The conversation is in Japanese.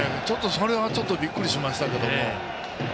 それはびっくりしましたけど。